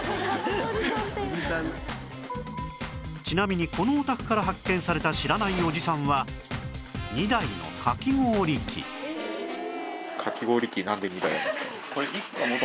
ちなみにこのお宅から発見された知らないおじさんは２台のかき氷機